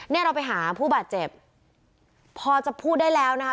เนี่ยเราไปหาผู้บาดเจ็บพอจะพูดได้แล้วนะคะ